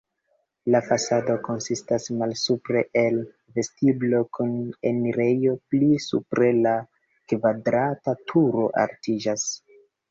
La fasado konsistas malsupre el vestiblo kun enirejo, pli supre la kvadrata turo altiĝas.